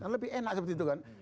lebih enak seperti itu kan